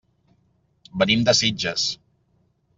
Venim de Sitges.